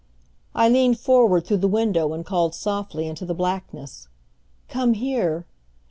I leaned forward through the window and called softly into the blackness: "Come here!"